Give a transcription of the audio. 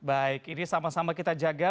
baik ini sama sama kita jaga